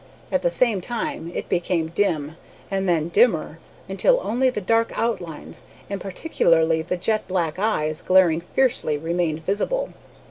At the same time it became dim, and then dimmer, until only the dark outlines, and particularly the jet black eyes, glaring fiercely, remained visible.